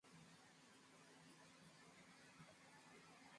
Serikali ya Zanzibar inaitwa serikali ya Baraza la mapinduzi